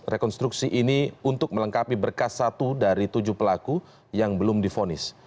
rekonstruksi ini untuk melengkapi berkas satu dari tujuh pelaku yang belum difonis